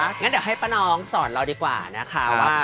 งั้นเดี๋ยวให้ป้าน้องสอนเราดีกว่านะคะว่า